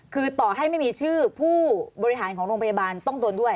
คือต่อให้ไม่มีชื่อผู้บริหารของโรงพยาบาลต้องโดนด้วย